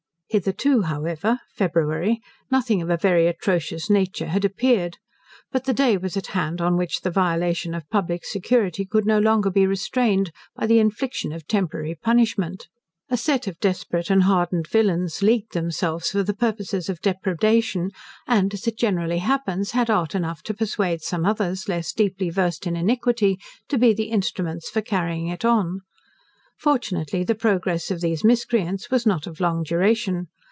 Hitherto, however, (February) nothing of a very atrocious nature had appeared. But the day was at hand, on which the violation of public security could no longer be restrained, by the infliction of temporary punishment. A set of desperate and hardened villains leagued themselves for the purposes of depredation, and, as it generally happens, had art enough to persuade some others, less deeply versed in iniquity, to be the instruments for carrying it on. Fortunately the progress of these miscreants was not of long duration.